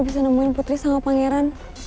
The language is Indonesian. bisa nemuin putri sama pangeran